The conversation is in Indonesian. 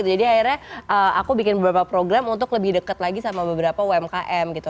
jadi akhirnya aku bikin beberapa program untuk lebih deket lagi sama beberapa umkm gitu